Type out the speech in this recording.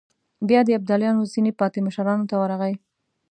بيا د ابداليو ځينو پاتې مشرانو ته ورغی.